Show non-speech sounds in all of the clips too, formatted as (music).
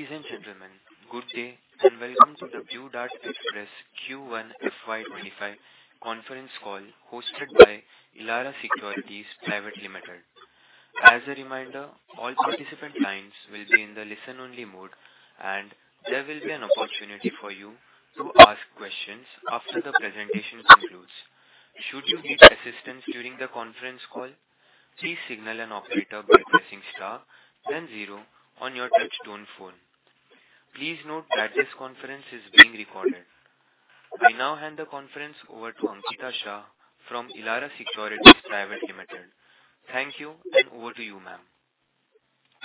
Ladies and gentlemen, good day and welcome to the Blue Dart Express Q1 FY25 conference call hosted by Elara Securities Private Limited. As a reminder, all participant lines will be in the listen-only mode, and there will be an opportunity for you to ask questions after the presentation concludes. Should you need assistance during the conference call, please signal an operator by pressing star then zero on your touch-tone phone. Please note that this conference is being recorded. We now hand the conference over to Ankita Shah from Elara Securities Private Limited. Thank you, and over to you, ma'am.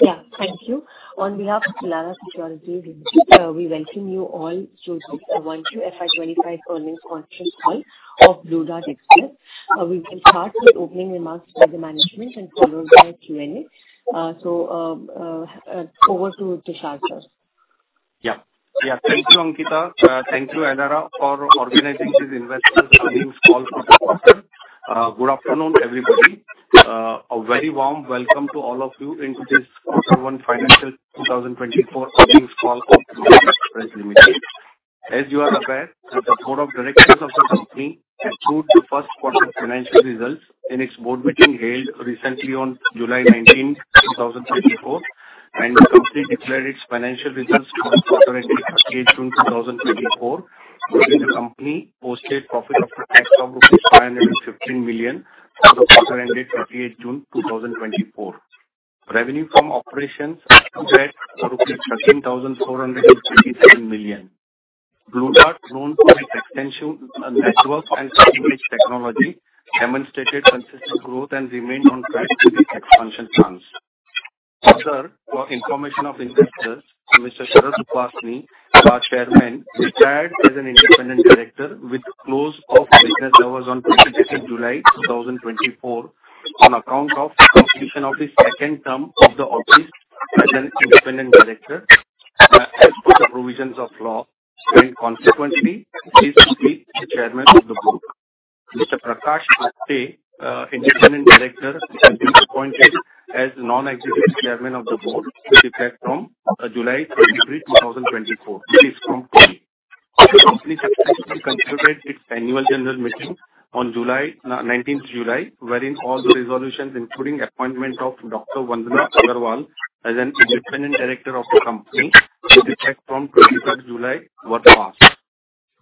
Yeah, thank you. On behalf of Elara Securities, we welcome you all to the Q1 FY25 earnings conference call of Blue Dart Express. We will start with opening remarks by the management and followed by a Q&A. So, over to Tushar first. Yeah, yeah, thank you, Ankita. Thank you, Elara, for organizing this investment earnings call for the conference. Good afternoon, everybody. A very warm welcome to all of you into this Q1 Financial 2024 earnings call of Blue Dart Express Limited. As you are aware, the Board of Directors of the company approved the Q1 financial results in its board meeting held recently on 19 July 2024, and the company declared its financial results for the quarter-ending 30 June 2024, wherein the company posted profit of rupees 515 million for the quarter-ending 30 June 2024. Revenue from operations accumulated INR 13,457 million. Blue Dart, known for its extensive network and cutting-edge technology, demonstrated consistent growth and remained on track with its expansion plans. Further, for information of investors, Mr. Sharad Upasani, our Chairman, retired as an independent director with close of business hours on 22 July 2024 on account of completion of his second term of the office as an independent director as per the provisions of law, and consequently ceased to be the Chairman of the board. Mr. Prakash Apte, independent director, is appointed as non-executive Chairman of the board with effect from 23 July 2024, which is from today. The company successfully concluded its annual general meeting on 19 July 2024, wherein all the resolutions, including appointment of Dr. Vandana Agarwal as an independent director of the company with effect from 23 July 2024, were passed.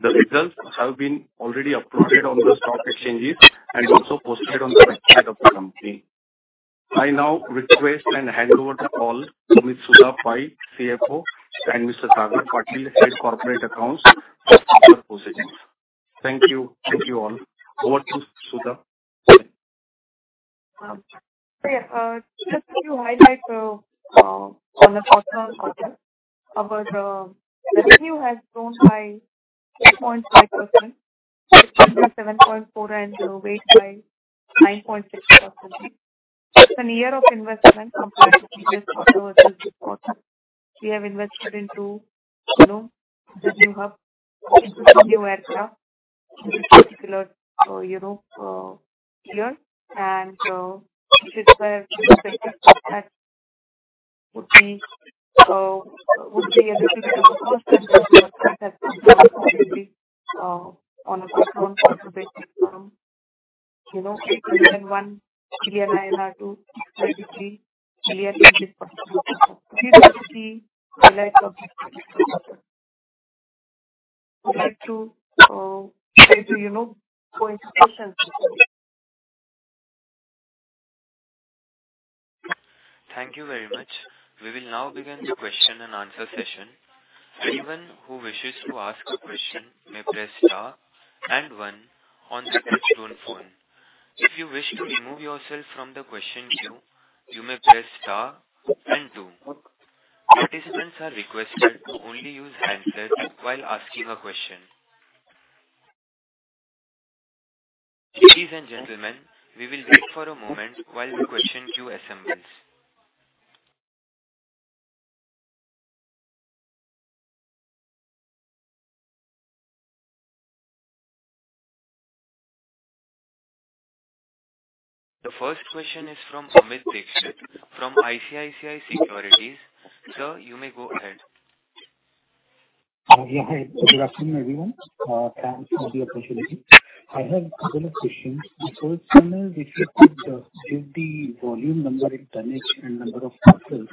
The results have been already uploaded on the stock exchanges and also posted on the website of the company. I now request and hand over the call to Ms. Sudha Pai, CFO, and Mr. Sagar Patil, Head Corporate Accounts, for their positions. Thank you, thank you all. Over to Sudha. Yeah, just to highlight on the short-term quarter, our revenue has grown by 6.5%, 6.74%, and the weight by 9.6%. It's a year of investment compared to previous quarter versus this quarter. We have invested in two, you know, the new hub, the new aircraft, in this particular, you know, year, and it is very realistic that would be a little bit of a cost, and this quarter has been on a short-term conservation term, you know, INR 8.1 billion to INR 6.3 billion in this quarter. If you look at the July 2024, we like to, you know, go into questions. Thank you very much. We will now begin the question and answer session. Anyone who wishes to ask a question may press star then one on the touch-tone phone. If you wish to remove yourself from the question queue, you may press star two. Participants are requested to only use handsets while asking a question. Ladies and gentlemen, we will wait for a moment while the question queue assembles. The first question is from Amit Dixit from ICICI Securities. Sir, you may go ahead. Yeah, good afternoon, everyone. Thanks for the opportunity. I have a couple of questions. The first one is, if you could just give the volume number in tonnage and number of pieces,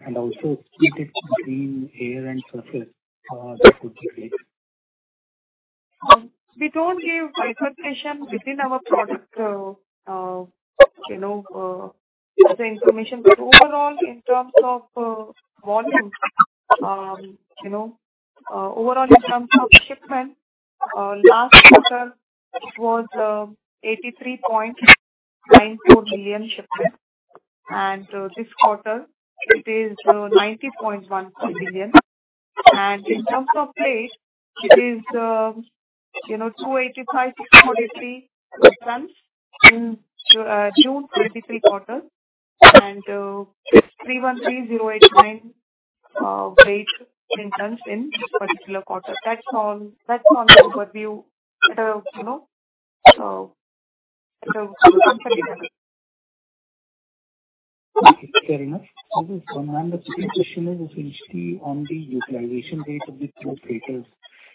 and also state it in ground, air, and surface, that would be great. We don't give questions within our product, you know, the information. But overall, in terms of volume, you know, overall in terms of shipment, last quarter it was 83.94 million shipments, and this quarter it is 90.14 million. And in terms of weight, it is, you know, 285,680 tons in June 2023 quarter, and 313,089 weight in tons in this particular quarter. That's all, that's all the overview at a, you know, at a company level. Thank you very much. This is one of the second question is, if you see on the utilization rate of the 2 freighters,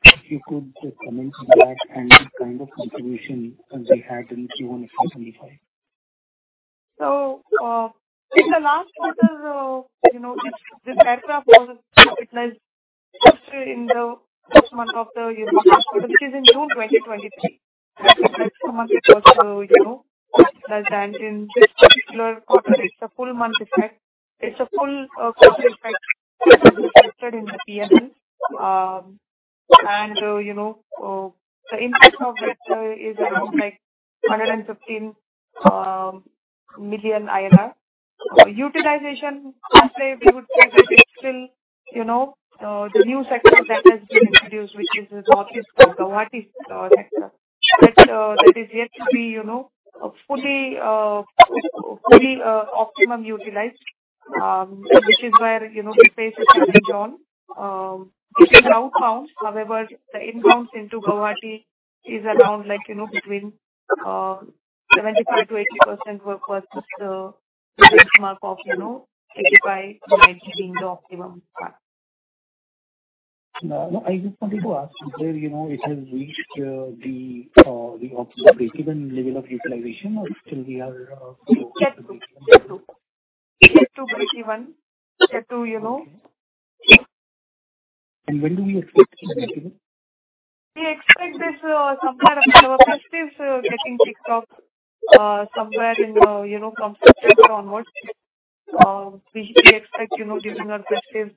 if you could comment on that and the kind of contribution they had in Q1 FY25. So, in the last quarter, you know, this aircraft was capitalized in the first month of the year, which is in June 2023. That's the month it was capitalized at in this particular quarter. It's a full month effect. It's a full quarter effect that was tested in the P&L, and, you know, the impact of it is around like 115 million INR. Utilization, I'd say we would say that it's still, you know, the new sector that has been introduced, which is Guwahati sector, that is yet to be, you know, fully optimum utilized, which is where, you know, the space is challenged on. It's capacity bound; however, the inbounds into Guwahati is around like, you know, between 75% to 80% versus the benchmark of, you know, 85% to 90% being the optimum part. No, I just wanted to ask whether, you know, it has reached the optimum breakeven level of utilization, or still we are? It's yet to breakeven. It's yet to breakeven. Yet to, you know. Okay. And when do we expect to breakeven? We expect this somewhere around our festivities getting kicked off somewhere in, you know, from September onwards. We expect, you know, during our festivities,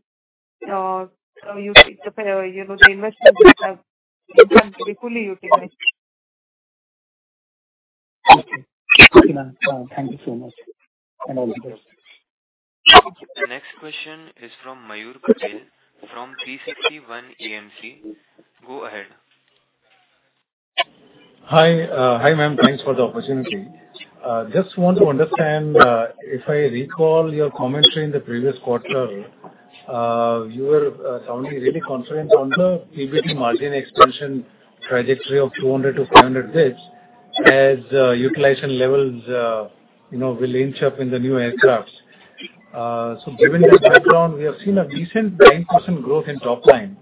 you know, the investments have been fully utilized. Okay. Okay, ma'am. Thank you so much and all the best. The next question is from Mayur Patil from. (inaudible) Go ahead. Hi, hi, ma'am. Thanks for the opportunity. Just want to understand if I recall your commentary in the previous quarter, you were sounding really confident on the PBT margin extension trajectory of 200 to 500 basis points as utilization levels, you know, will inch up in the new aircraft. So given that background, we have seen a decent 9% growth in top line,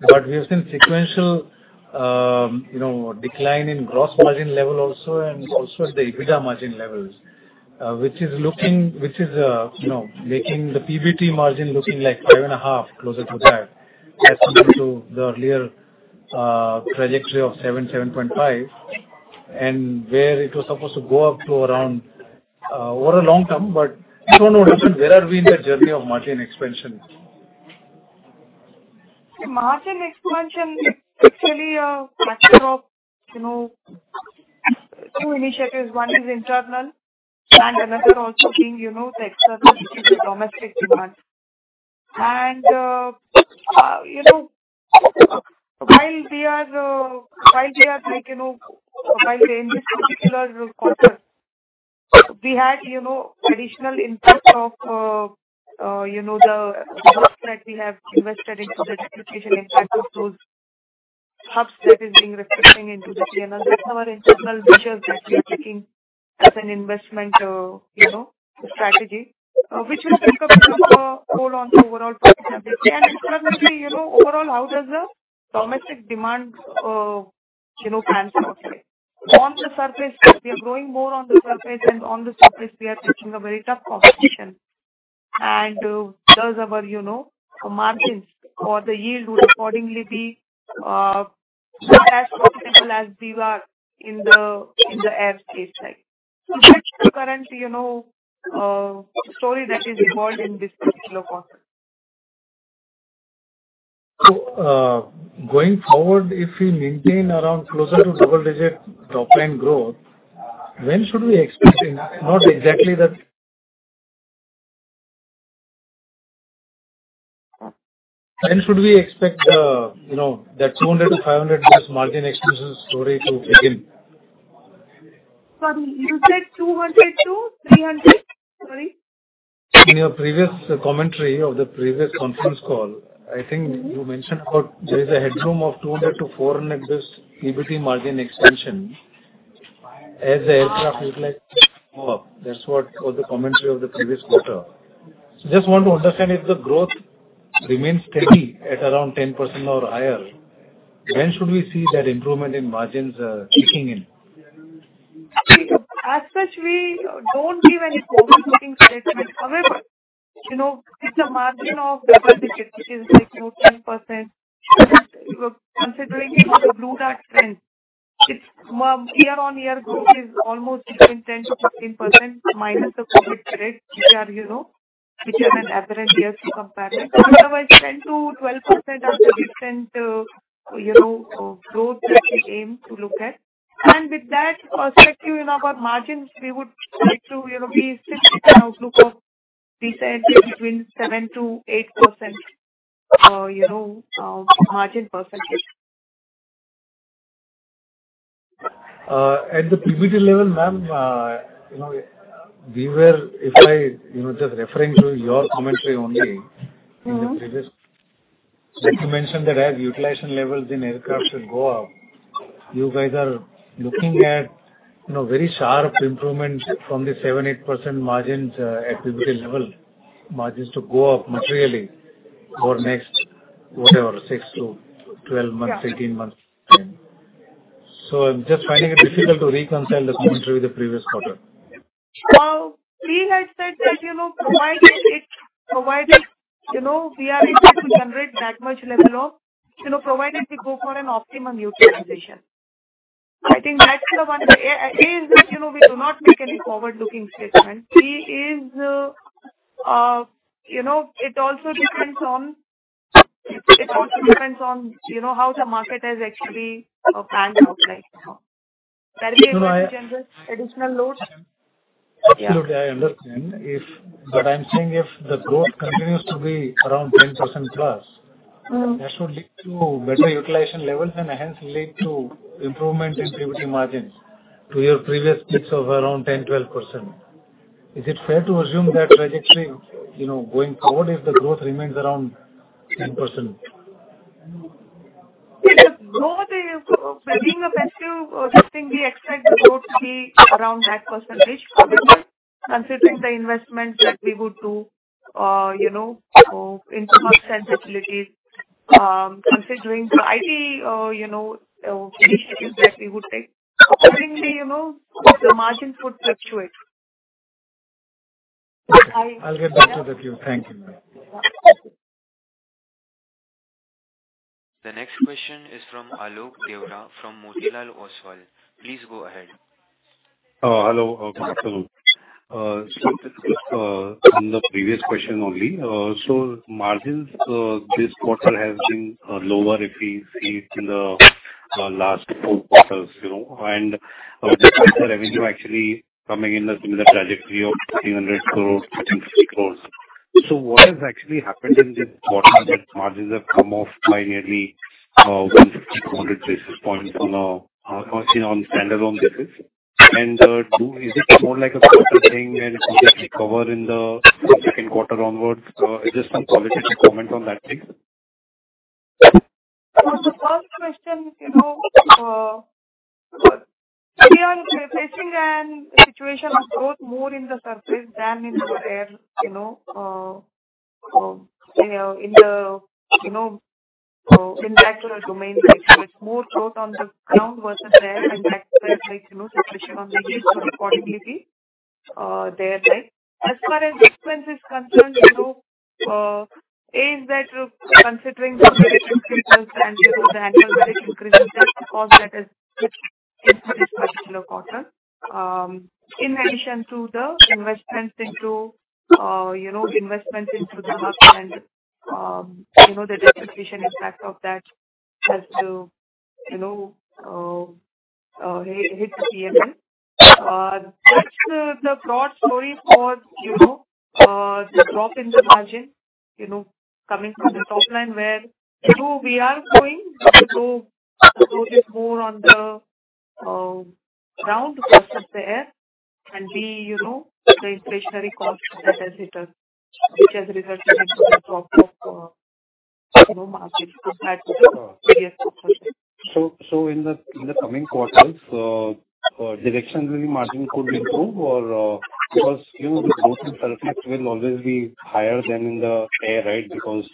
but we have seen sequential, you know, decline in gross margin level also and also at the EBITDA margin levels, which is looking, you know, making the PBT margin looking like 5.5, closer to that, as compared to the earlier trajectory of 7, 7.5, and where it was supposed to go up to around over a long term. But I don't know, where are we in the journey of margin expansion? Margin expansion is actually a backdrop, you know, two initiatives. One is internal, and another also being, you know, the external, which is the domestic demand. And, you know, while we are, while we are like, you know, while in this particular quarter, we had, you know, additional impact of, you know, the work that we have invested into the depreciation impact of those hubs that is being reflected into the P&L. That's our internal measures that we are taking as an investment, you know, strategy, which will take a bit of a toll on the overall profitability. And ultimately, you know, overall, how does the domestic demand, you know, translate? On the surface, we are growing more on the surface, and on the surface, we are facing a very tough competition. Thus our, you know, margins or the yield would accordingly be not as profitable as we are in the airspace side. That's the current, you know, story that is involved in this particular quarter. So going forward, if we maintain around closer to double-digit top line growth, when should we expect, not exactly that, when should we expect the, you know, that 200 to 500 basis points margin expansion story to begin? Sorry, you said 200 to 300? Sorry. In your previous commentary of the previous conference call, I think you mentioned about there is a headroom of 200 to 400 basis points PBT margin extension as the aircraft utilize more. That's what was the commentary of the previous quarter. Just want to understand if the growth remains steady at around 10% or higher, when should we see that improvement in margins kicking in? As such, we don't give any forward-looking predictions. However, you know, with the margin of double-digit, which is like, you know, 10%, considering it's the Blue Dart trend, it's year-on-year growth is almost between 10% to 15% minus the COVID spread, which are, you know, which is an aberrant year to compare it. Otherwise, 10% to 12% are the different, you know, growth that we aim to look at. And with that perspective, you know, our margins, we would like to, you know, be still in an outlook of decent between 7% to 8%, you know, margin percentage. At the PBT level, ma'am, you know, we were, if I, you know, just referring to your commentary only, in the previous, like you mentioned that as utilization levels in aircraft should go up, you guys are looking at, you know, very sharp improvement from the 7% to 8% margins at PBT level, margins to go up materially for next, whatever, 6 to 12 months, 18 months time. So I'm just finding it difficult to reconcile the commentary with the previous quarter. We had said that, you know, provided, you know, we are able to generate that much level of, you know, provided we go for an optimum utilization. I think that's the one. A is that, you know, we do not make any forward-looking statements. B is, you know, it also depends on, you know, how the market has actually planned out like now. There will be additional loads. Absolutely, I understand. If, but I'm saying if the growth continues to be around 10%+, that should lead to better utilization levels and hence lead to improvement in PBT margins to your previous picks of around 10% to 12%. Is it fair to assume that trajectory, you know, going forward if the growth remains around 10%? If the growth is being effective, I think we expect the growth to be around that percentage, considering the investments that we would do, you know, in the hubs and facilities, considering the IT, you know, initiatives that we would take. Accordingly, you know, the margins would fluctuate. I'll get back to the queue. Thank you, ma'am. The next question is from Alok Deora from Motilal Oswal. Please go ahead. Hello. Thanks a lot. So just on the previous question only, so margins this quarter have been lower if we see it in the last four quarters, you know, and the revenue actually coming in a similar trajectory of 300 crores, 150 crores. So what has actually happened in this quarter that margins have come off by nearly 150 to 200 basis points on a standalone basis? And is it more like a quarter thing and it will recover in the Q2 onwards? Just some qualitative comment on that, please. The first question, you know, we are facing a situation of growth more in the surface than in the air, you know, in the, you know, in the actual domains. So it's more growth on the ground versus air, and that's where, like, you know, the question on the yields would accordingly be there. As far as expenses concerned, you know, A is that considering the operating expenses and the handling rate increases, that's the cause that has influenced this particular quarter. In addition to the investments into, you know, investments into the hubs and, you know, the depreciation impact of that has to, you know, hit the P&L. That's the broad story for, you know, the drop in the margin, you know, coming from the top line where we are going to focus more on the ground versus the air, and B, you know, the inflationary cost that has resulted in the drop of, you know, margins compared to the previous quarter. So in the coming quarters, directionally margins could improve or because, you know, the growth in surface will always be higher than in the air, right? Because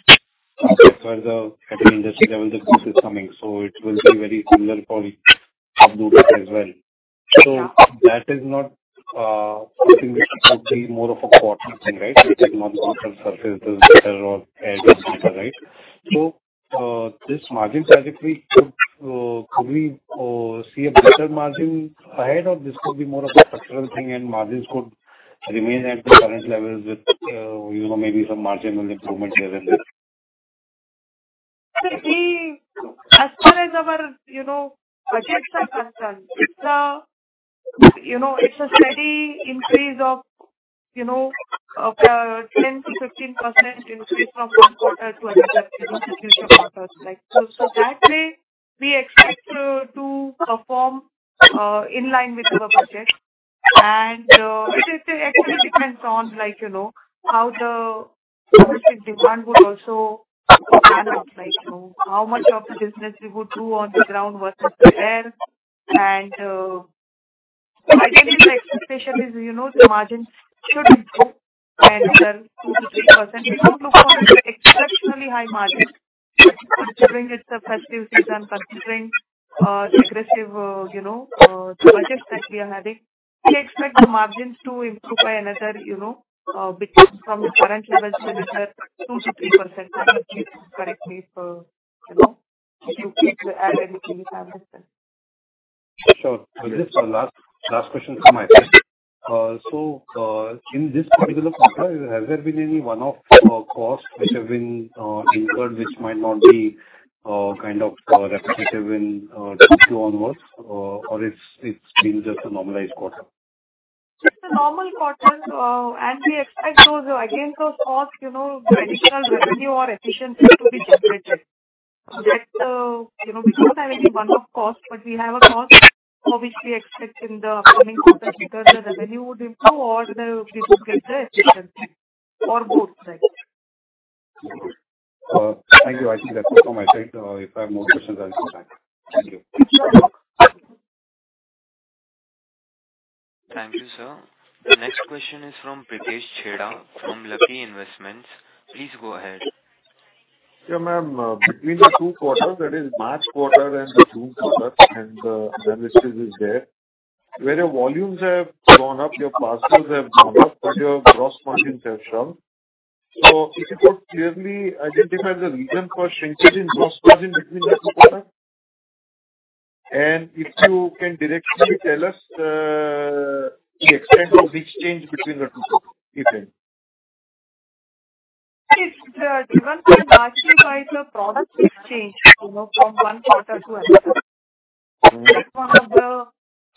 as far as the heavy industry level, the growth is coming, so it will be very similar for the subdivisions as well. So that is not something which could be more of a quarter thing, right? It's not the surface, the air is better, right? So this margin trajectory could we see a better margin ahead, or this could be more of a structural thing and margins could remain at the current levels with, you know, maybe some marginal improvement here and there? As far as our, you know, budgets are concerned, it's a, you know, it's a steady increase of, you know, 10% to 15% increase from one quarter to another, you know, future quarters. Like, so that way we expect to perform in line with our budget. And it actually depends on, like, you know, how the demand would also depend on, like, you know, how much of the business we would do on the ground versus the air. And my expectation is, you know, the margins should improve and. There 2% to 3%. We don't look for extraordinarily high margins considering it's a festive season, considering aggressive, you know, budgets that we are having. We expect the margins to improve by another, you know, from the current levels to another 2% to 3%. Correct me if, you know, if you add anything you have with this. Sure. This is the last question from my side. In this particular quarter, has there been any one-off costs which have been incurred which might not be kind of repetitive in Q2 onwards, or it's been just a normalized quarter? Just a normal quarter, and we expect those, again, those costs, you know, additional revenue or efficiency to be generated. That, you know, we don't have any one-off cost, but we have a cost for which we expect in the upcoming quarter either the revenue would improve or we would get the efficiency or both, right? Thank you. Actually, that's all my side. If I have more questions, I'll come back. Thank you. Thank you, sir. The next question is from Pritesh Chheda from Lucky Investments. Please go ahead. Yeah, ma'am. Between the two quarters, that is March quarter and the June quarter, and the analysis is there, where your volumes have gone up, your parcels have gone up, but your gross margins have shrunk. So if you could clearly identify the reason for shrinkage in gross margin between the two quarters, and if you can directly tell us the extent of this change between the two quarters, if any. It's driven by margin by the product mix, you know, from one quarter to another. That's one of the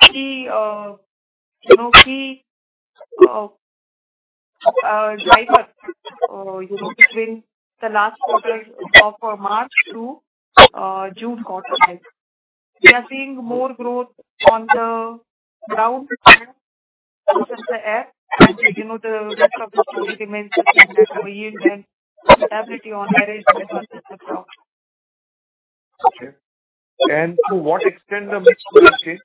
key, you know, key drivers, you know, between the last quarter of March to June quarter. We are seeing more growth on the ground and the air, and, you know, the rest of the story remains the same, that yield and stability on air is better than the ground. Okay. To what extent does this change?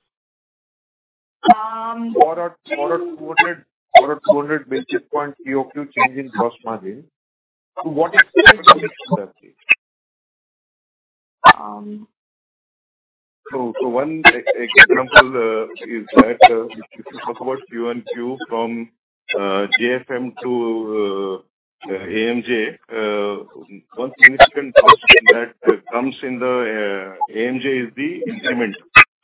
400 basis points POQ change in gross margin. To what extent does this change? So one example is that if you talk about Q&Q from JFM to AMJ, one significant question that comes in the AMJ is the increment.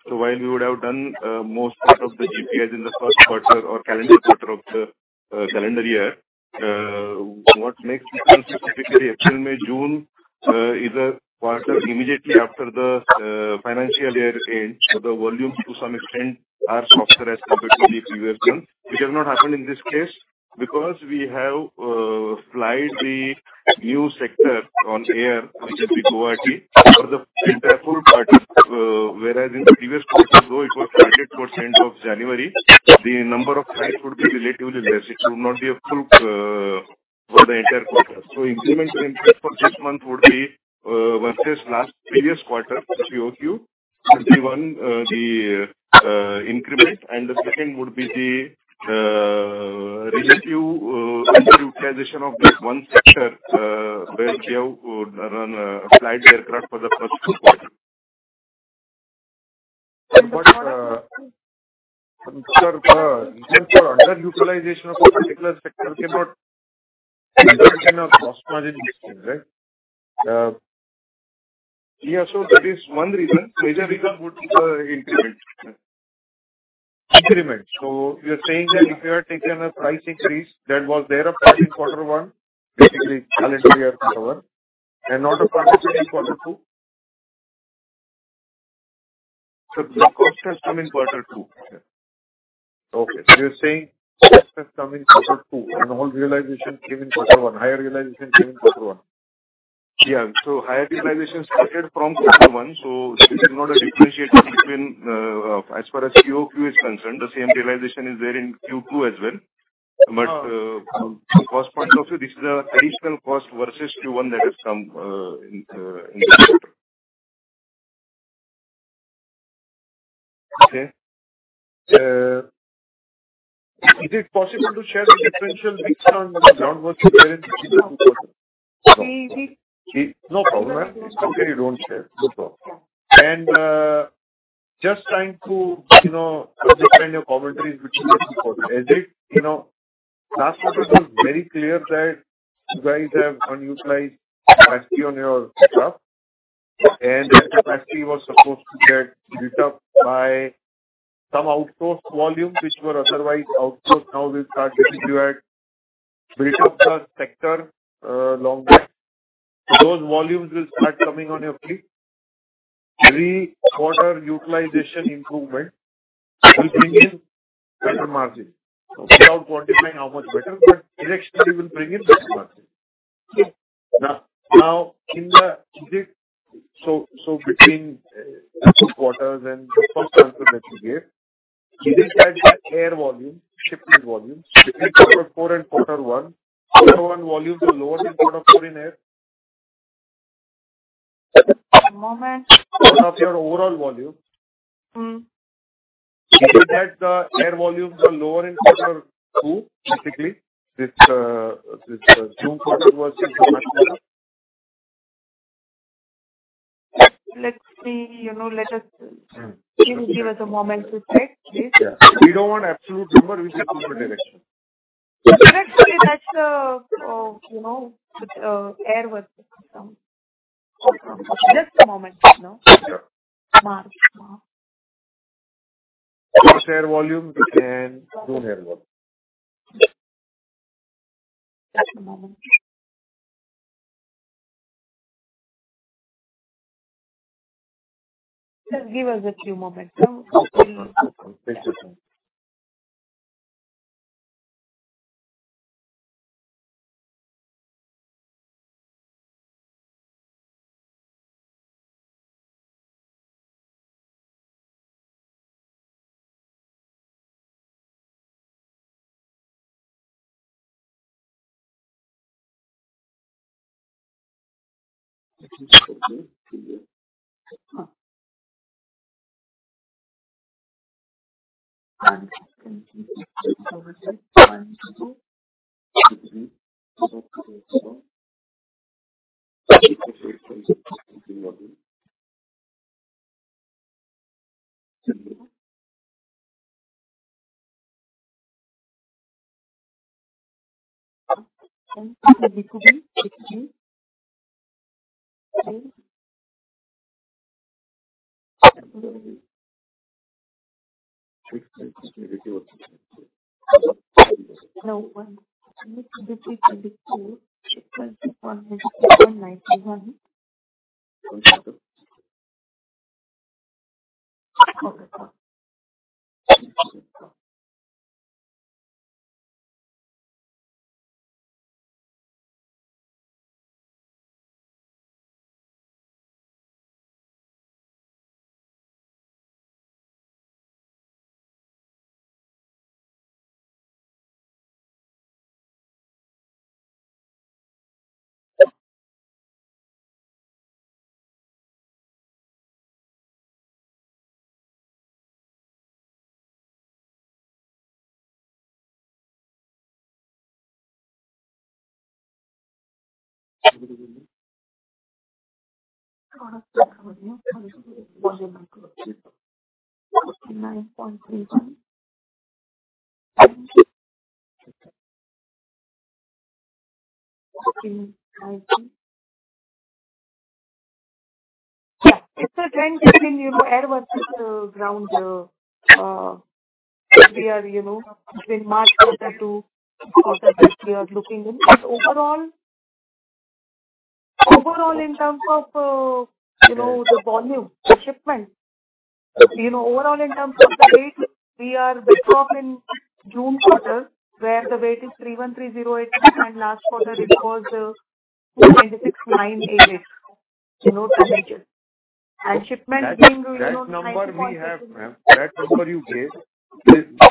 So while we would have done most part of the GPIs in the Q1 or calendar quarter of the calendar year, what makes difference specifically April, May, June is a quarter immediately after the financial year end, so the volumes to some extent are softer as compared to the previous ones, which has not happened in this case because we have plied the new sector on air, which is the Guwahati, for the entire full quarter. Whereas in the previous quarter, though, it was 100% of January, the number of flights would be relatively less. It would not be a full for the entire quarter. Incremental impact for this month would be versus last previous quarter POQ 21, the increment, and the second would be the relative utilization of this one sector where we have flown aircraft for the Q1. But consider the reason for underutilization of a particular sector cannot result in a gross margin increase, right? Yeah, so that is one reason. Major reason would be the increment. Increment. So you're saying that if you have taken a price increase that was there of Q1, basically calendar year forward, and not of Q2. So the cost has come in Q2. Okay. So you're saying cost has come in Q2 and all realization came in Q1, higher realization came in Q1. Yeah. So higher realization started from Q2 one, so this is not a differentiated between as far as POQ is concerned, the same realization is there in Q2 as well. But from a cost point of view, this is an additional cost versus Q1 that has come in the quarter. Okay. Is it possible to share the differential based on the groundwork compared to Q2 quarter? No problem, ma'am. It's okay if you don't share. No problem. Just trying to, you know, understand your commentaries, which is important. Is it, you know, last quarter was very clear that you guys have underutilized capacity on your hub, and that capacity was supposed to get built up by some outsourced volumes which were otherwise outsourced. Now we'll start looking at built-up sector long-term. So those volumes will start coming on your fleet. Three-quarter utilization improvement will bring in better margins. So without quantifying how much better, but directionally will bring in better margins. Now, in the, is it, so between the two quarters and the first answer that you gave, is it that the air volume, shipment volumes, shipment Q4 and Q1, Q1 volumes are lower than Q4 in air? One moment. On your overall volumes. Is it that the air volumes are lower in Q2, basically, with June quarter versus the March quarter? Let's see, you know, let us please give us a moment to check, please. Yeah. We don't want absolute number. We just need the direction. Directly, that's the, you know, air versus surface. Just a moment, you know. Yeah. March. March air volumes and June air volumes. Just a moment. Just give us a few moments. Yeah. It's a trend continue, you know, air versus ground, we are, you know, between March quarter to quarter that we are looking in. And overall, overall in terms of, you know, the volume, the shipment, you know, overall in terms of the weight, we are better off in June quarter where the weight is 31,308 and last quarter it was 296,988, you know, to reach it. And shipment being 900. So number we have, ma'am, that number you gave,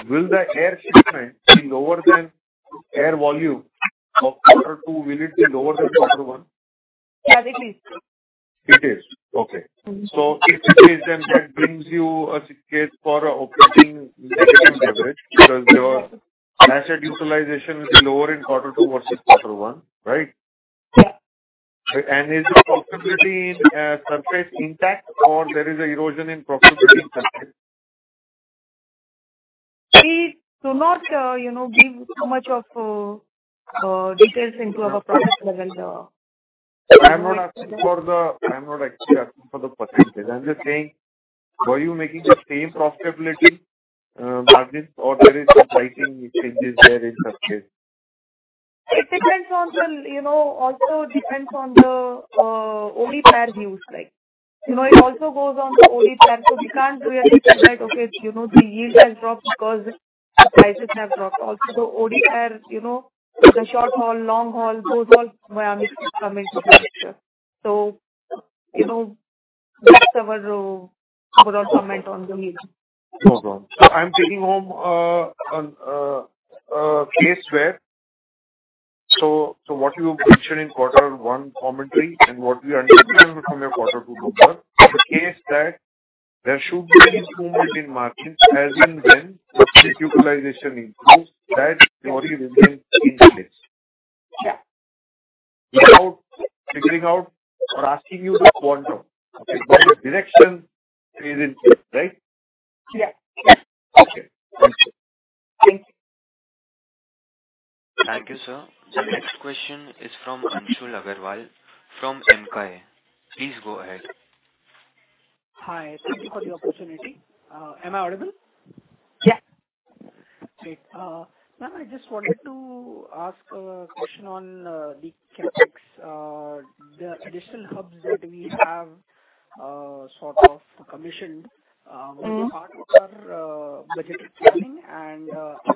will the air shipment be lower than air volume of Q2, will it be lower than Q1? Yeah, it is. It is. Okay. So if it is, then that brings you a case for operating negative leverage because your asset utilization will be lower in Q2 versus Q1, right? Yeah. Is the profitability in surface intact or there is erosion in profitability in surface? We do not, you know, give too much of details into our product level. I'm not asking for the, I'm not actually asking for the percentage. I'm just saying, were you making the same profitability margins or there is some slight changes there in surface? It depends on the, you know, also depends on the OD pair use. Like, you know, it also goes on the OD pair. So we can't do it like, okay, you know, the yield has dropped because prices have dropped. Also the OD pair, you know, the short haul, long haul, those all come into the picture. So, you know, that's our overall comment on the yield. No problem. So I'm taking home a case where, so what you mentioned in Q1 commentary and what we understand from your Q2, the case that there should be improvement in margins as in when this utilization increased, that theory remains in place. Yeah. Without figuring out or asking you to comment, okay, what the direction is in place, right? Yeah. Okay. Thank you. Thank you. Thank you, sir. The next question is from Anshu Agarwal from. (inaudible) Please go ahead. Hi. Thank you for the opportunity. Am I audible? Yes. Great. Ma'am, I just wanted to ask a question on the CapEx. The additional hubs that we have sort of commissioned are part of our budget planning and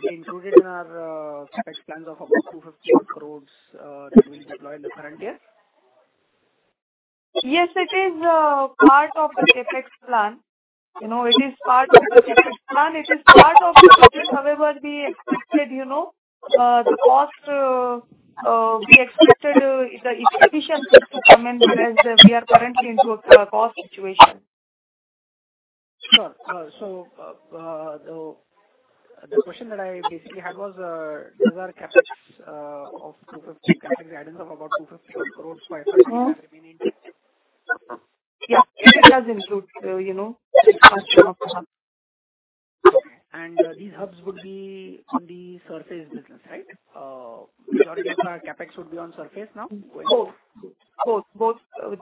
included in our CapEx plans of up to 250 crores that we'll deploy in the current year? Yes, it is part of the CapEx plan. You know, it is part of the CapEx plan. It is part of the budget, however we expected, you know, the cost we expected the efficiency to come in whereas we are currently into a cost situation. Sure. So the question that I basically had was, does our CapEx of 250 CapEx guidance of about INR 250 crore by the remaining? Yeah. It does include, you know, the expansion of the hubs. Okay. These hubs would be in the surface business, right? A lot of the CapEx would be on surface now? Both. Both. Both.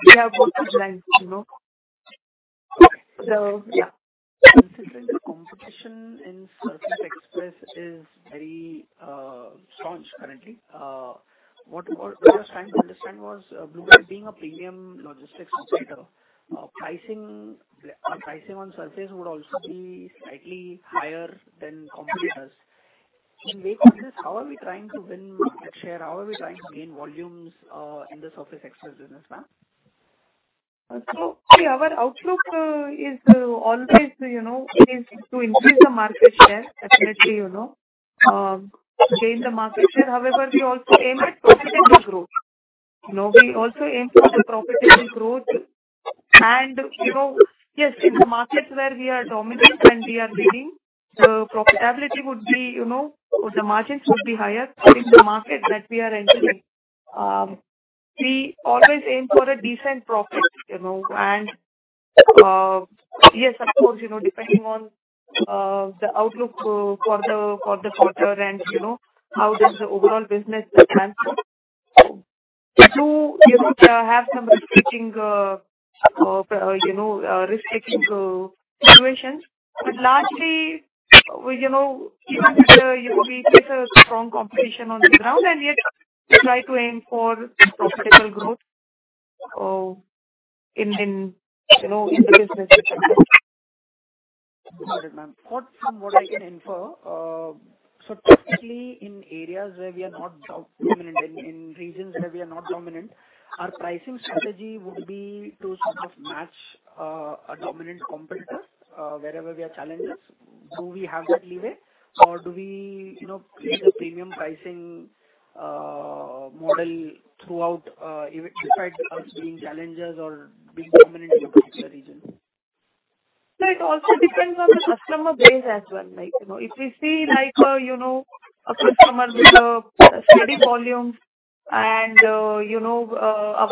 We have both lines, you know. Okay. So yeah. Considering the competition in Surface Express is very staunch currently. What I was trying to understand was Blue Dart being a premium logistics operator, pricing on surface would also be slightly higher than competitors. In wake of this, how are we trying to win that share? How are we trying to gain volumes in the Surface Express business, ma'am? So our outlook is always, you know, is to increase the market share, definitely, you know, gain the market share. However, we also aim at profitable growth. You know, we also aim for the profitable growth. In the markets where we are dominant and we are leading, the profitability would be, you know, the margins would be higher in the market that we are entering. We always aim for a decent profit, you know, and yes, of course, you know, depending on the outlook for the quarter and, you know, how does the overall business stand. So, you know, we have some risk-taking, you know, risk-taking situations. But largely, you know, even if we face a strong competition on the ground and yet we try to aim for profitable growth in, you know, in the business. Good, ma'am. What I can infer, so technically in areas where we are not dominant, in regions where we are not dominant, our pricing strategy would be to sort of match a dominant competitor wherever we have challenges. Do we have that leeway or do we, you know, use a premium pricing model throughout, despite us being challengers or being dominant in the particular region? It also depends on the customer base as well. Like, you know, if we see like, you know, a customer with steady volumes and, you know, our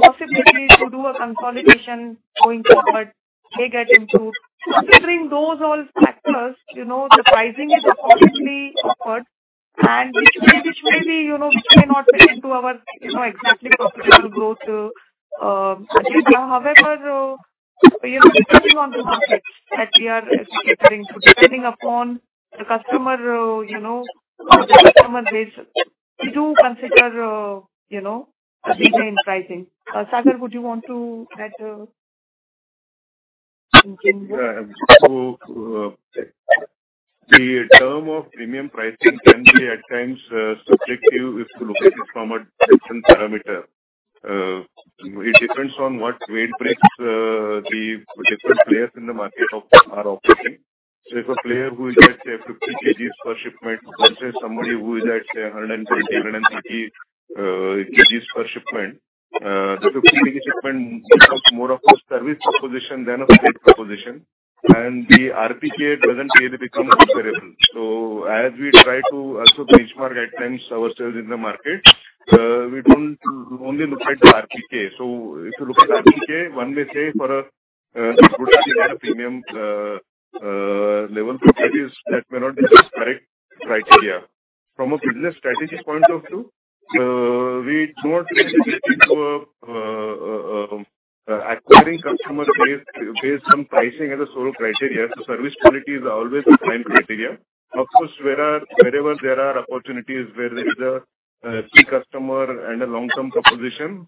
possibility to do a consolidation going forward may get improved. Considering those all factors, you know, the pricing is accordingly offered and which may be, you know, which may not fit into our, you know, exactly profitable growth. However, you know, depending on the market that we are considering, depending upon the customer, you know, the customer base, we do consider, you know, a leeway in pricing. Sagar, would you want to add? So the term of premium pricing can be at times subjective if you look at it from a different parameter. It depends on what weight breaks the different players in the market are operating. So if a player who is at, say, 50 kg per shipment versus somebody who is at, say, 120, 130 kg per shipment, the 50 kg shipment becomes more of a service proposition than a freight proposition. And the RPK doesn't really become comparable. So as we try to also benchmark at times ourselves in the market, we don't only look at the RPK. So if you look at RPK, one may say for a good premium level properties, that may not be the correct criteria. From a business strategy point of view, we do not really need to acquiring customer base based on pricing as a sole criteria. Service quality is always the prime criteria. Of course, wherever there are opportunities where there is a key customer and a long-term proposition,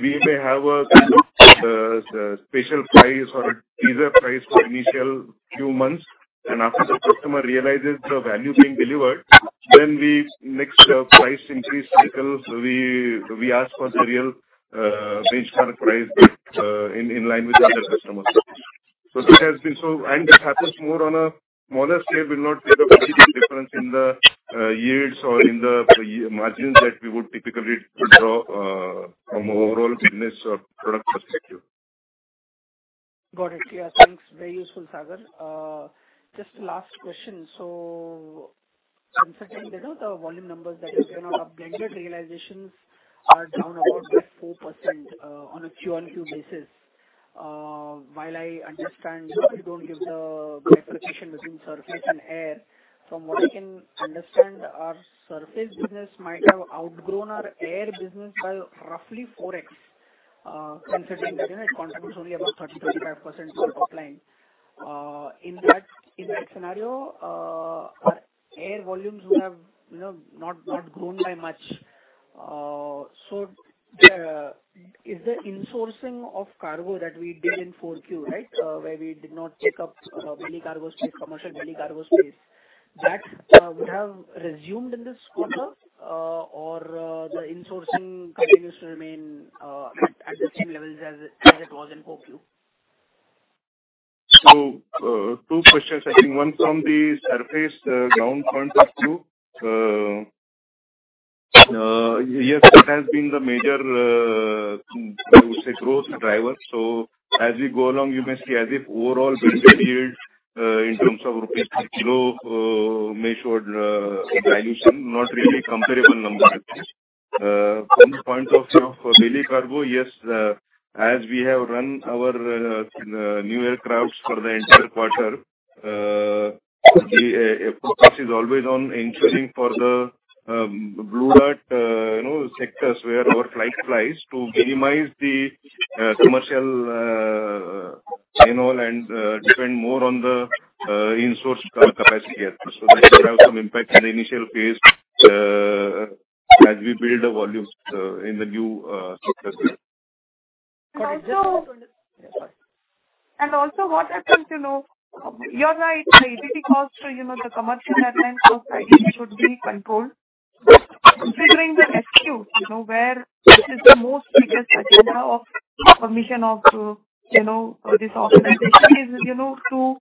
we may have a special price or a teaser price for initial few months. After the customer realizes the value being delivered, then we next price increase cycle, we ask for the real benchmark price in line with other customers. That has been so, and this happens more on a smaller scale. Will not make a significant difference in the yields or in the margins that we would typically draw from overall business or product perspective. Got it. Yeah. Thanks. Very useful, Sagar. Just last question. So considering, you know, the volume numbers that you gave out of blended realizations are down about 4% on a Q-on-Q basis. While I understand you don't give the qualification between surface and air, from what I can understand, our surface business might have outgrown our air business by roughly 4x. Considering that, you know, it contributes only about 30%-35% to the top line. In that scenario, our air volumes would have, you know, not grown by much. So is the insourcing of cargo that we did in 4Q, right, where we did not pick up mini cargo space, commercial mini cargo space, that would have resumed in this quarter or the insourcing continues to remain at the same levels as it was in 4Q? So two questions. I think one from the surface, ground point of view. Yes, that has been the major, I would say, growth driver. So as we go along, you may see as if overall yield in terms of rupees per kilo may show a dilution, not really comparable number. From the point of view of air cargo, yes, as we have run our new aircraft for the entire quarter, the focus is always on ensuring for Blue Dart, you know, sectors where our flight flies to minimize the commercial backhaul and depend more on the insourced capacity as well. So that would have some impact in the initial phase as we build the volumes in the new sectors. Got it. Just one question. And also what I want to know, you're right, it really costs to, you know, the commercial airlines' side should be controlled. Considering the SQ, you know, where this is the most biggest agenda of permission of, you know, this organization is, you know, to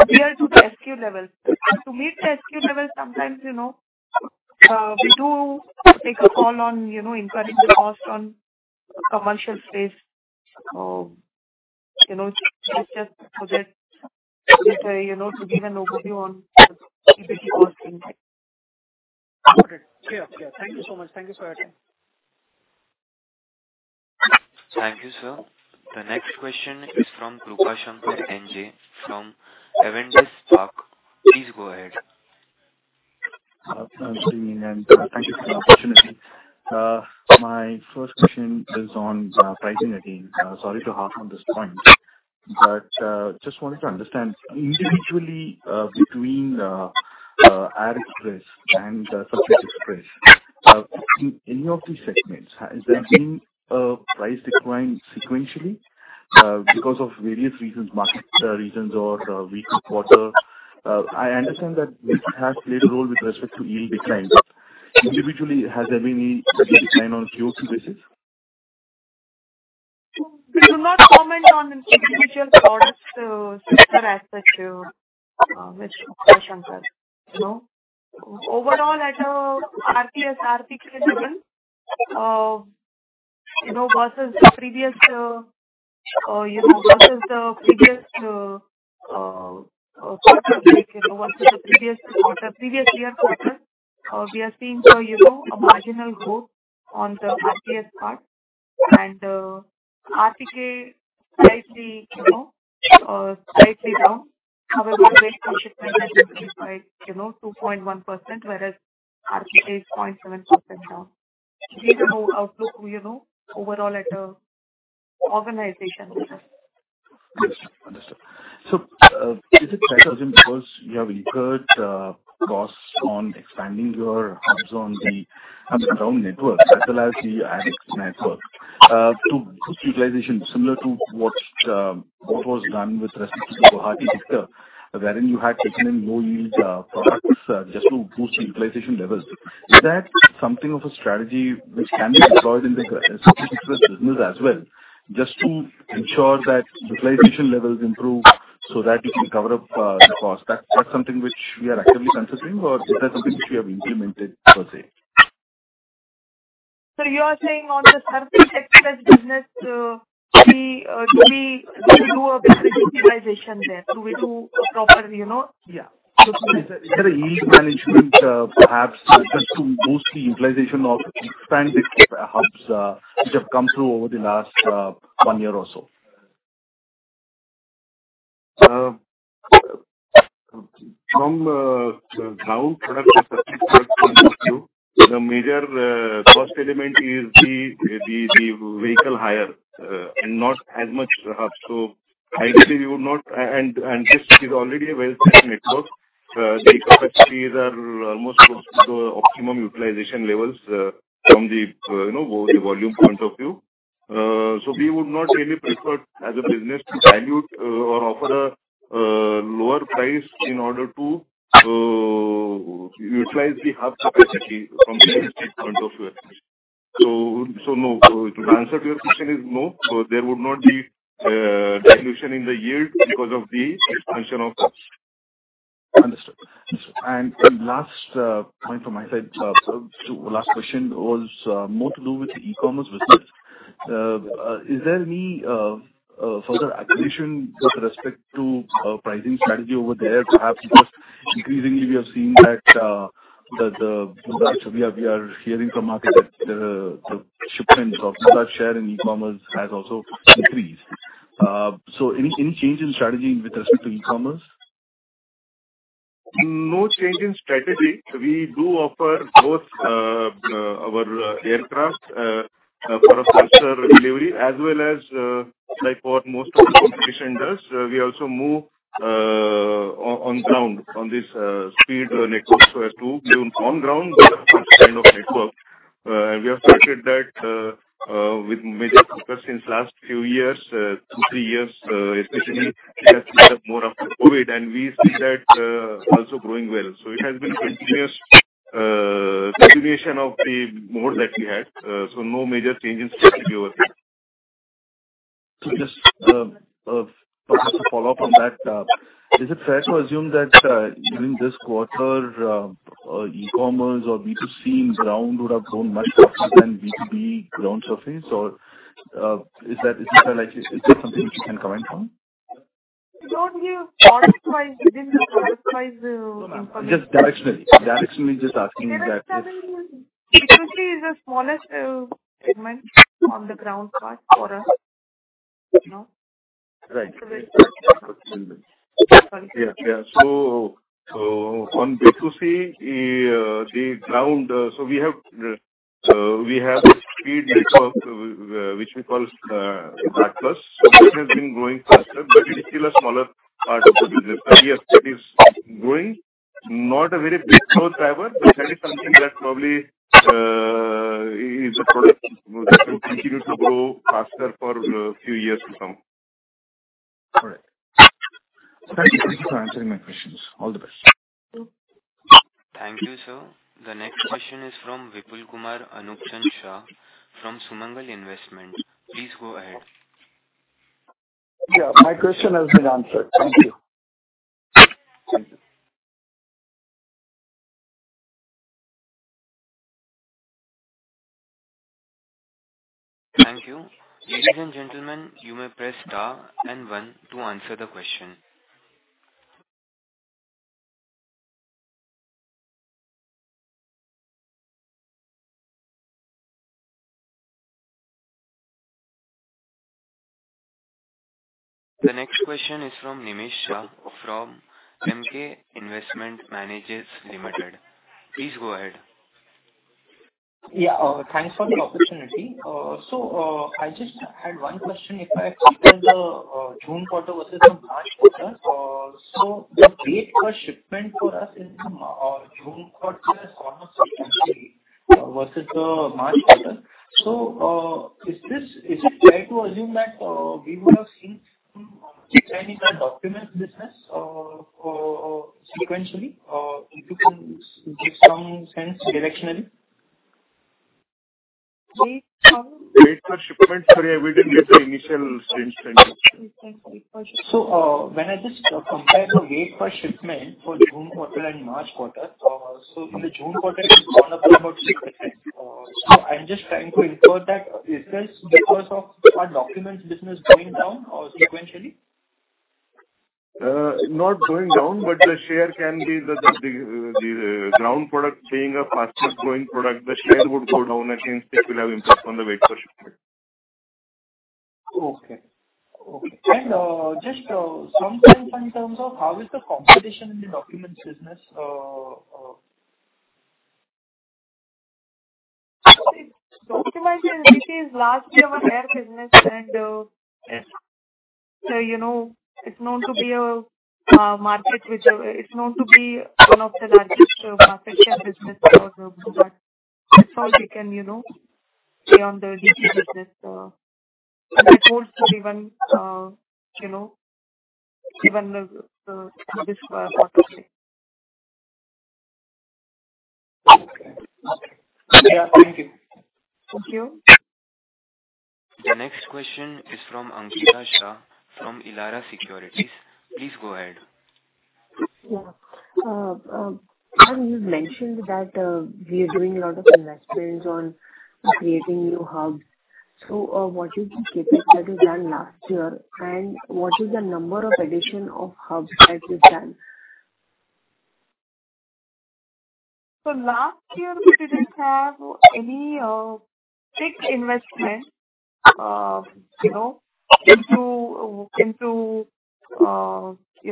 adhere to the SQ level. To meet the SQ level, sometimes, you know, we do take a call on, you know, incurring the cost on commercial space. You know, it's just so that, you know, to give an overview on the TBT costing. Got it. Yeah. Yeah. Thank you so much. Thank you for your time. Thank you, sir. The next question is from Prabhashankar N.J. from Avendus Park. Please go ahead. Hi, I'm Srinivasan. Thank you for the opportunity. My first question is on pricing again. Sorry to harp on this point, but just wanted to understand individually between Air Express and Surface Express, in any of these segments, has there been a price decline sequentially because of various reasons, market reasons or week to quarter? I understand that we have played a role with respect to yield decline. Individually, has there been any yield decline on a Q to Q basis? We do not comment on individual products to sector aspect, Mr. Prabhashankar. You know, overall at RPS, RPK level, you know, versus the previous, you know, versus the previous quarter, like, you know, versus the previous quarter, previous year quarter, we are seeing, you know, a marginal growth on the RPS part. And RPK slightly, you know, slightly down. However, rate per shipment has increased, like, you know, 2.1%, whereas RPK is 0.7% down. These are our outlook, you know, overall at the organization. Understood. So is it fair to assume because you have incurred costs on expanding your hubs on the ground network as well as the air network, to boost utilization similar to what was done with respect to the Guwahati sector, wherein you had taken in low-yield products just to boost utilization levels, is that something of a strategy which can be deployed in the Surface Express business as well just to ensure that utilization levels improve so that you can cover up the cost? That's something which we are actively considering, or is that something which we have implemented per se? So you are saying on the Surface Express business, do we do a better utilization there? Do we do a proper, you know? Yeah. Is there a yield management perhaps just to boost the utilization of expanded hubs which have come through over the last one year or so? From the ground product and Surface Express point of view, the major cost element is the vehicle hire and not as much hubs. So ideally, we would not, and this is already a well-established network. The capacities are almost close to the optimum utilization levels from the, you know, volume point of view. So we would not really prefer as a business to dilute or offer a lower price in order to utilize the hub capacity from the industry point of view. So no, to answer to your question is no, there would not be dilution in the yield because of the expansion of hubs. Understood. Understood. And last point from my side, last question was more to do with the e-commerce business. Is there any further acquisition with respect to pricing strategy over there? Perhaps because increasingly we have seen that the Blue Dart, we are hearing from market that the shipments of Blue Dart share in e-commerce has also increased. So any change in strategy with respect to e-commerce? No change in strategy. We do offer both our aircraft for a faster delivery as well as like what most of the competition does. We also move on ground on this speed network. So as to move on ground, we have such kind of network. And we have started that with major focus since last few years, two to three years especially. We have seen that more after COVID, and we see that also growing well. So it has been continuous continuation of the mode that we had. So no major change in strategy over here. So just a follow-up on that. Is it fair to assume that during this quarter, e-commerce or B2C in ground would have grown much faster than B2B ground surface, or is that, is it fair? Is that something which you can comment on? Don't you product-wise within the product-wise information? No, no. Just directionally. Directionally, just asking that if. B2C is a smaller segment on the ground part for us, you know? Right. Yeah. Yeah. So on B2C, the ground, so we have the speed network which we call Dart Plus. So that has been growing faster, but it is still a smaller part of the business. But yes, it is growing. Not a very big growth driver, but that is something that probably is a product that will continue to grow faster for a few years to come. All right. Thank you for answering my questions. All the best. Thank you, sir. The next question is from Vipulkumar Anupsinh Shah from Sumangal Investment. Please go ahead. Yeah. My question has been answered. Thank you. Thank you. Ladies and gentlemen, you may press star and one to answer the question. The next question is from Nemish Shah from Emkay Investment Managers Ltd. Please go ahead. Yeah. Thanks for the opportunity. So I just had one question. If I consider the June quarter versus the March quarter, so the RPS per shipment for us in the June quarter is almost the same versus the March quarter. So is it fair to assume that we would have seen some change in the documents business sequentially? If you can give some sense directionally? We have. Weight per shipment, sorry, I wouldn't give the initial change time. So when I just compare the weight per shipment for June quarter and March quarter, so in the June quarter, it's gone up about 70%. So I'm just trying to infer that is this because of our documents business going down or sequentially? Not going down, but the share can be the ground product being a faster growing product. The share would go down against it. We'll have impact on the weight per shipment. Okay. Okay. And just sometimes in terms of how is the competition in the documents business? So it is last year our air business, and so, you know, it's known to be a market which it's known to be one of the largest markets and businesses for the Blue Dart. That's how we can, you know, stay on the DT business. That holds for even, you know, even this quarter. Okay. Yeah. Thank you. Thank you. The next question is from Ankita Shah from Elara Securities. Please go ahead. Yeah. You mentioned that we are doing a lot of investments on creating new hubs. So what is the capability done last year, and what is the number of addition of hubs that you've done? So last year, we didn't have any big investment, you know, into, you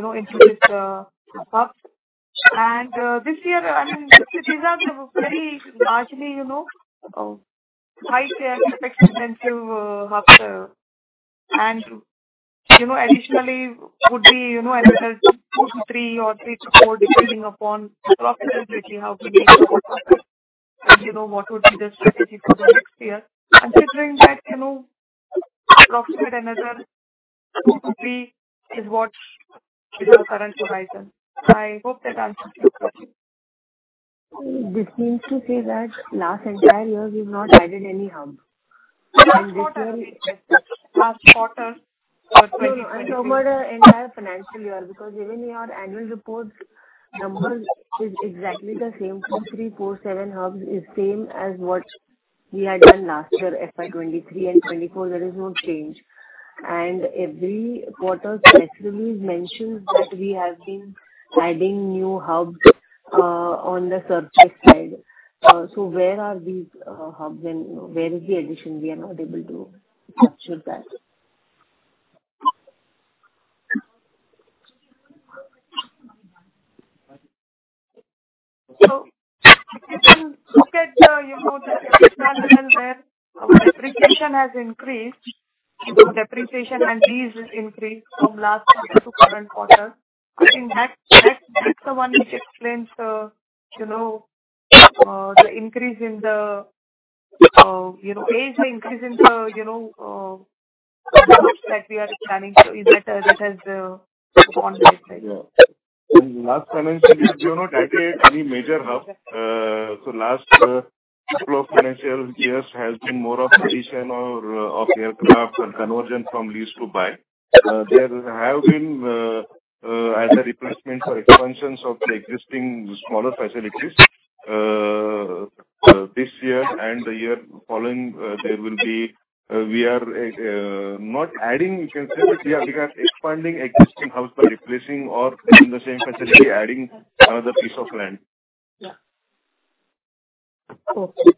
know, into these hubs. And this year, I mean, these are the very largely, you know, high-tech, expensive hubs. And, you know, additionally, would be, you know, another two to three or three to four, depending upon the profitability, how we make the profits, and, you know, what would be the strategy for the next year. Considering that, you know, approximate another two to three is what is our current horizon. I hope that answers your question. This means to say that last entire year, we've not added any hubs. And this year, last quarter, for 2020. Over the entire financial year, because even in our annual reports, number is exactly the same. Two, three, four, seven hubs is same as what we had done last year, FY 2023 and 2024. There is no change. And every quarter, press release mentions that we have been adding new hubs on the Surface side. So where are these hubs, and where is the addition? We are not able to capture that. So look at, you know, the Surface side level where depreciation has increased, you know, depreciation and yield increased from last quarter to current quarter. I think that's the one which explains, you know, the increase in the, you know, age increase in the, you know, hubs that we are planning to, that has gone by. Last financial year, we have not added any major hubs. So last couple of financial years has been more of addition of aircraft and convergence from lease to buy. There have been, as a replacement for expansions of the existing smaller facilities this year and the year following, there will be, we are not adding, you can say that we are expanding existing hubs by replacing or in the same facility, adding another piece of land. Yeah. Okay.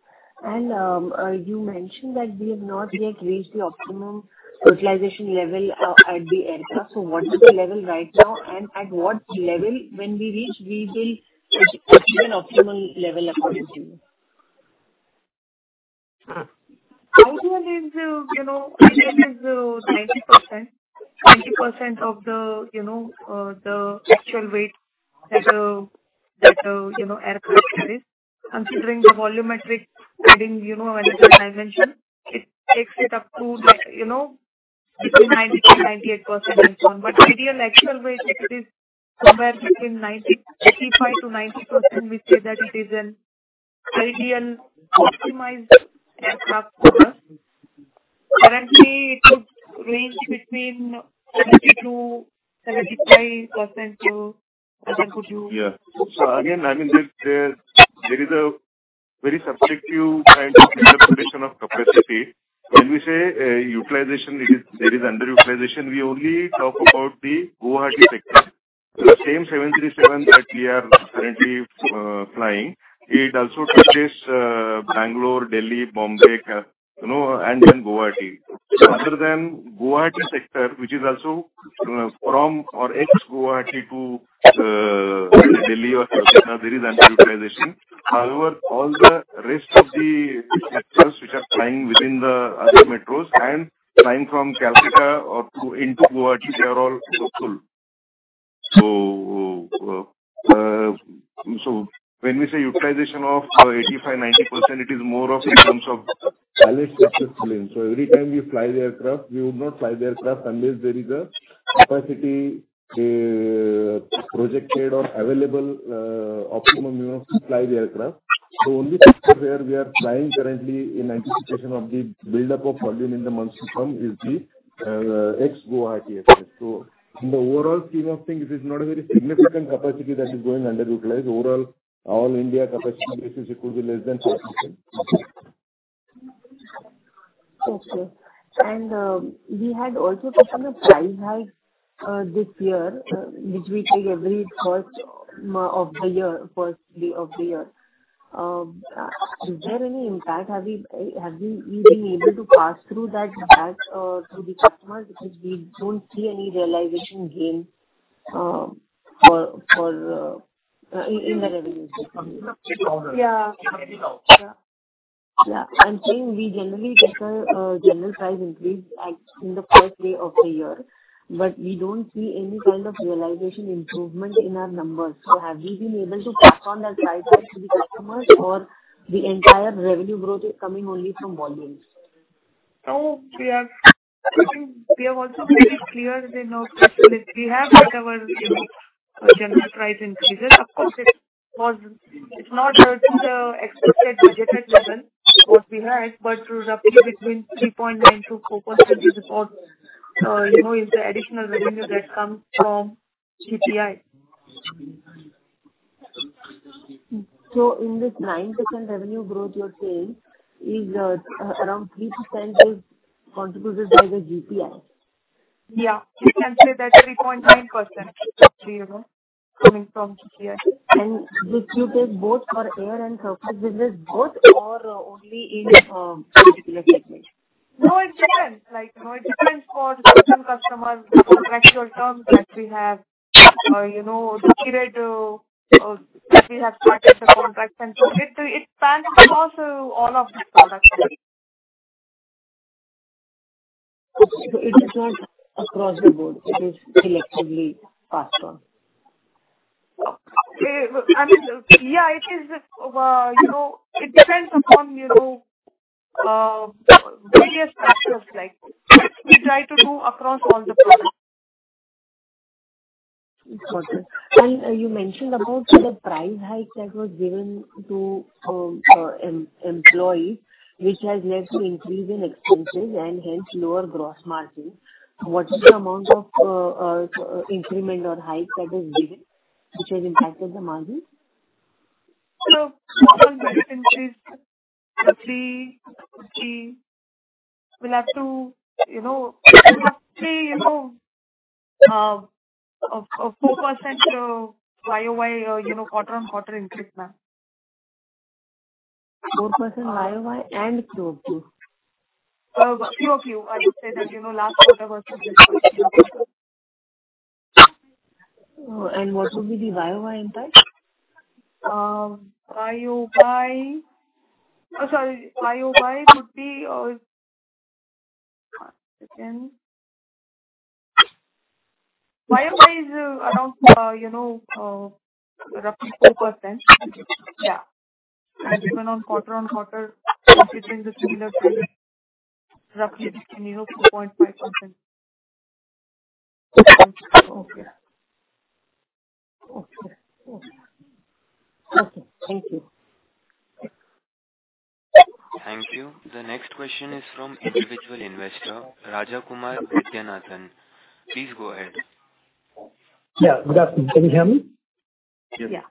And you mentioned that we have not yet reached the optimum utilization level at the aircraft. So what is the level right now, and at what level, when we reach, we will achieve an optimal level according to you? Ideal is, you know, ideal is 90%, 20% of the, you know, the actual weight that the, you know, aircraft carries. Considering the volumetric adding, you know, as I mentioned, it takes it up to, you know, between 90% to 98% and so on. But ideal actual weight, it is somewhere between 95% to 90%, we say that it is an ideal optimized aircraft for us. Currently, it would range between 70% to 75%, so what could you? Yeah. So again, I mean, there is a very subjective kind of interpretation of capacity. When we say utilization, there is underutilization, we only talk about the Guwahati sector. The same 737 that we are currently flying, it also touches Bengaluru, Delhi, Mumbai, you know, and then Guwahati. Other than Guwahati sector, which is also from or ex-Guwahati to Delhi or Surfaceline, there is underutilization. However, all the rest of the metros which are flying within the other metros and flying from Calcutta or into Guwahati, they are all utilized. So when we say utilization of 85% to 90%, it is more of in terms of pilot successfully. So every time we fly the aircraft, we would not fly the aircraft unless there is a capacity projected or available optimum, you know, to fly the aircraft. So only where we are flying currently in anticipation of the buildup of volume in the monsoon term is the ex-Guwahati sector. So in the overall scheme of things, it is not a very significant capacity that is going underutilized. Overall, all India capacity basis, it could be less than 5%. Okay. We had also taken a freight hike this year, which we take every first of the year, first day of the year. Is there any impact? Have we been able to pass through that to the customers? Because we don't see any realization gain for in the revenues. Yeah. Yeah. I'm saying we generally get a general price increase in the first day of the year, but we don't see any kind of realization improvement in our numbers. So have we been able to pass on that price hike to the customers, or the entire revenue growth is coming only from volumes? Oh, we have also made it clear in our press release. We have made our general price increases. Of course, it's not to the expected budgeted level what we had, but roughly 3.9% to 4% is about, you know, is the additional revenue that comes from GPI. So in this 9% revenue growth you're saying, around 3% is contributed by the GPI? Yeah. You can say that 3.9% coming from GPI. And did you take both for air and surface business, both or only in particular segment? No, it depends. Like, no, it depends for certain customers, the contractual terms that we have, you know, the period that we have started the contract. And so it spans across all of the products. It is not across the board. It is selectively passed on. I mean, yeah, it is, you know, it depends upon, you know, various factors like we try to do across all the products. You mentioned about the price hike that was given to employees, which has led to increase in expenses and hence lower gross margin. What is the amount of increment or hike that has been which has impacted the margin? So it's increased roughly 50. We'll have to, you know, roughly, you know, 4% YOY, you know, quarter on quarter increase now. 4% YOY and QOQ? QOQ, I would say that, you know, last quarter versus this quarter. And what would be the YOY impact? YOY, sorry, YOY would be YOY is around, you know, roughly 4%. Yeah. And even on quarter on quarter between the three years, roughly, you know, 2.5%. Okay. Okay. Okay. Okay. Thank you. Thank you. The next question is from individual investor, Rajakumar Vidyanathan. Please go ahead. Yeah. Good afternoon. Can you hear me? Yes. Yeah.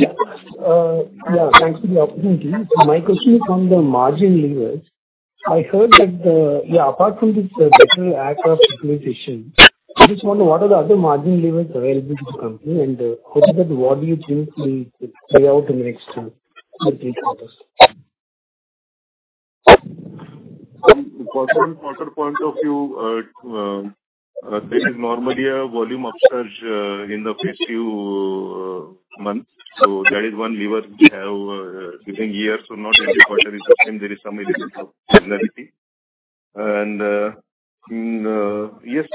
Yeah. Thanks for the opportunity. My question is on the margin levers. I heard that the, yeah, apart from this better aircraft utilization, I just wonder what are the other margin levers available to the company, and what do you think will play out in the next three quarters? From the quarter point of view, there is normally a volume upsurge in the first few months. So there is one lever which have given yields, so not every quarter is the same. There is some level of similarity. And yes,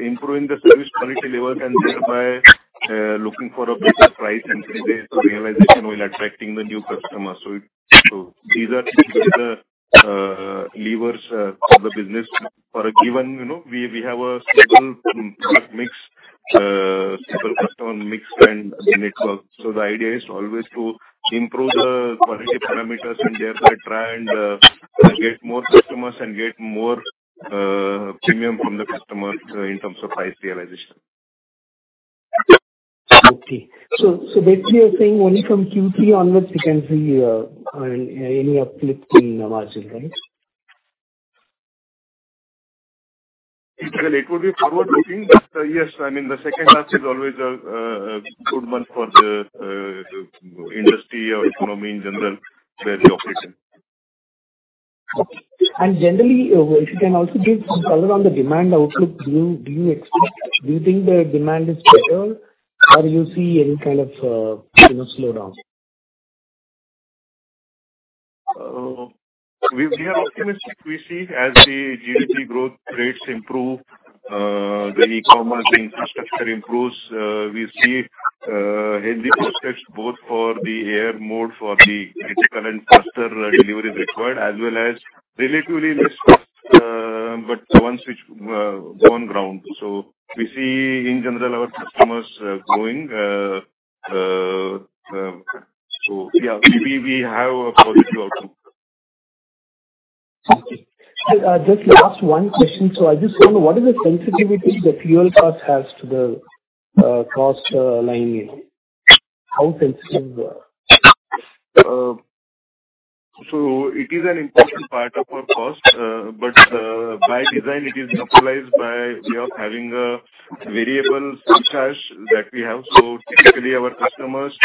improving the service quality level and thereby looking for a better price increase is the realization while attracting the new customers. So these are the levers of the business for a given, you know, we have a stable mix, stable customer mix and network. So the idea is always to improve the quality parameters and therefore try and get more customers and get more premium from the customers in terms of price realization. Okay. Basically you're saying only from Q3 onward you can see any uplift in the margin, right? Well, it would be forward-looking, but yes, I mean, the second half is always a good month for the industry or economy in general where we operate. Generally, if you can also give some color on the demand outlook, do you expect, do you think the demand is better, or do you see any kind of, you know, slowdown? We are optimistic. We see as the GDP growth rates improve, the e-commerce infrastructure improves, we see healthy prospects both for the air mode for the critical and faster deliveries required, as well as relatively less cost, but ones which are on ground. So we see in general our customers growing. So yeah, we have a positive outlook. Thank you. Just last one question. So I just wonder what is the sensitivity the fuel cost has to the cost line? How sensitive? So it is an important part of our cost, but by design, it is optimized by way of having a variable surcharge that we have. So typically our customers,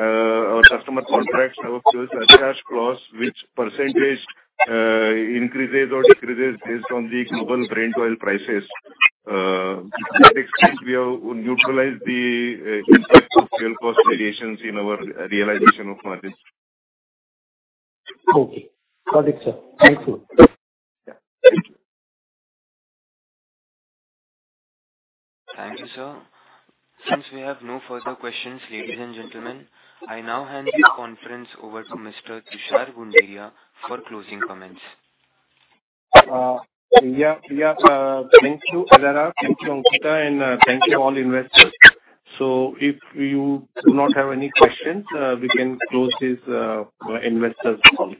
our customer contracts our fuel surcharge clause, which percentage increases or decreases based on the global Brent oil prices. To that extent, we have neutralized the impact of fuel cost variations in our realization of margins. Okay. Got it, sir. Thank you. Yeah. Thank you. Thank you, sir. Since we have no further questions, ladies and gentlemen, I now hand the conference over to Mr. Tushar Gunderia for closing comments. Yeah. Yeah. Thank you, Elara, thank you, Ankita, and thank you all investors. So if you do not have any questions, we can close this investors call.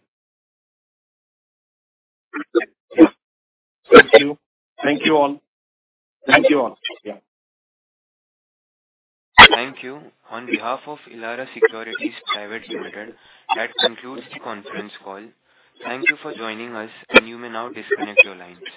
Thank you. Thank you all. Thank you all. Thank you. On behalf of Elara Securities Private Limited, that concludes the conference call. Thank you for joining us, and you may now disconnect your line.